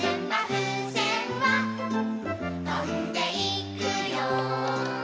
「ふうせんはとんでいくよ」